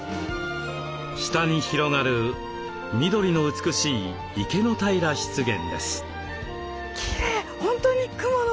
下に広がる緑の美しい池の平湿原です。